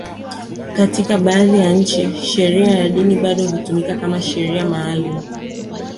Katika baadhi ya nchi, sheria ya dini bado hutumika kama sheria maalum.